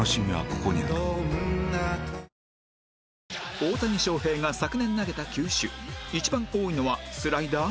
大谷翔平が昨年投げた球種一番多いのはスライダー？